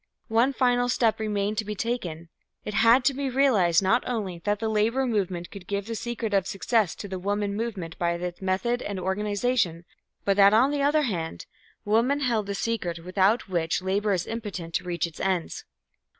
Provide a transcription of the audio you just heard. One final step remained to be taken it had to be realised not only that the Labour movement could give the secret of success to the woman movement by its method and organization, but that on the other hand, woman held the secret without which labour is impotent to reach its ends.